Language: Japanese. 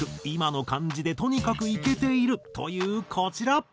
今の感じでとにかくイケているというこちら。